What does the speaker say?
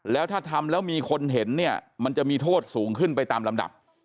แล้วถ้าทำแล้วมีคนเห็นเนี่ยมันจะมีโทษสูงขึ้นไปตามลำดับ